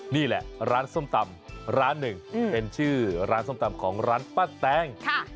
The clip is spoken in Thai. นี่แหละร้านส้มตำร้านหนึ่งเป็นชื่อร้านส้มตำของร้านป้าแตง